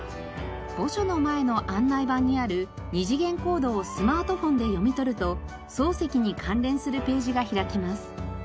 墓所の前の案内板にある二次元コードをスマートフォンで読み取ると漱石に関連するページが開きます。